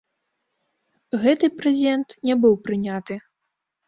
Гэты прэзент не быў прыняты.